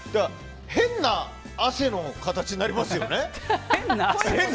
変な汗の形になりますよね。